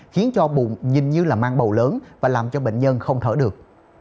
khiến cho bụng nhìn như mang bầu lớn và làm cho bệnh nhân không thở được